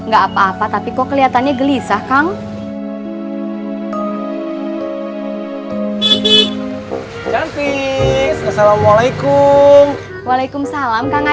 gak apa apa tapi kok keliatannya gelisah kang